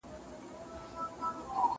زه اجازه لرم چي سينه سپين وکړم